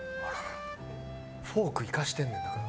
フォーク生かしてんねんだから。